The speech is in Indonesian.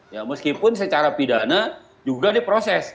ya meskipun secara pidana juga diproses